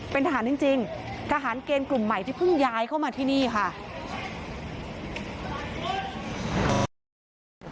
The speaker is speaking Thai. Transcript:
เป็นทหารจริงทหารเกณฑ์กลุ่มใหม่ที่เพิ่งย้ายเข้ามาที่นี่ค่ะ